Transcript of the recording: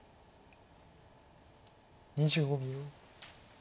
２５秒。